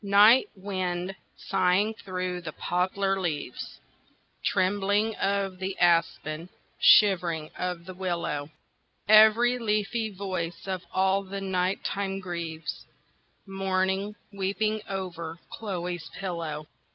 NIGHT wind sighing through the poplar leaves, Trembling of the aspen, shivering of the willow, Every leafy voice of all the night time grieves, Mourning, weeping over Chloe's pillow.